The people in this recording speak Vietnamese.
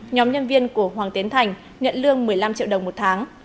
nhóm nhân viên của hoàng tiến thành nhận lương một mươi năm triệu đồng một tháng